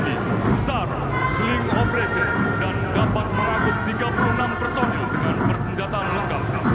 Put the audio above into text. misal seling operasi dan dapat merangkut tiga puluh enam personil dengan persenjataan lengkap